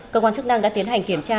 cơ quan chức năng đã tiến hành kiểm tra